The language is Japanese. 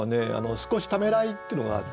「少しためらひ」っていうのがあって